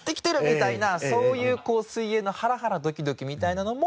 みたいなそういう水泳のハラハラドキドキみたいなのも。